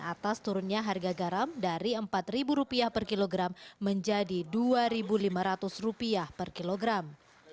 atas turunnya harga garam dari rp empat per kilogram menjadi rp dua lima ratus per kilogram